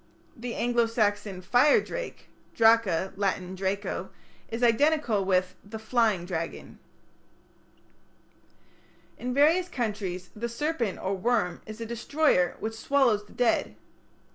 The Anglo Saxon "fire drake" ("draca", Latin "draco") is identical with the "flying dragon". In various countries the serpent or worm is a destroyer which swallows the dead.